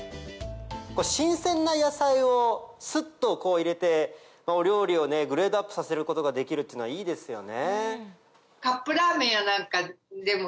これ新鮮な野菜をスッと入れてお料理をグレードアップさせることができるっていうのはいいですよね。